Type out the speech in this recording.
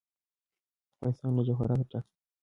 افغانستان له جواهرات ډک دی.